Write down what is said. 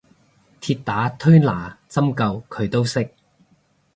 鐵打推拿針灸佢都識